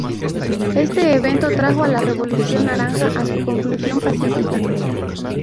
Este evento trajo a la Revolución naranja a su conclusión pacífica.